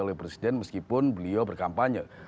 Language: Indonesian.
oleh presiden meskipun beliau berkampanye